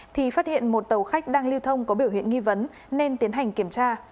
thì phát hiện một tàu khách đang lưu thông có biểu hiện nghi vấn nên tiến hành kiểm tra